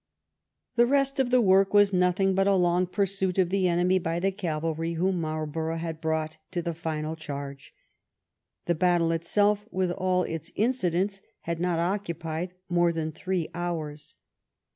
♦ The rest of the work was nothing but a long pursuit of the enemy by the cavalry whom Marlborough had brought to the final charge. The battle itself, with all its incidents, had not occupied more than three hours.